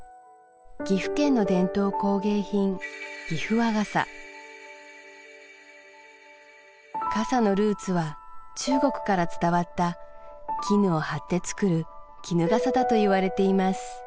岐阜県の伝統工芸品岐阜和傘傘のルーツは中国から伝わった絹を張って作る蓋だといわれています